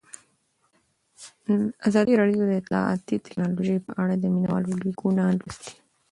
ازادي راډیو د اطلاعاتی تکنالوژي په اړه د مینه والو لیکونه لوستي.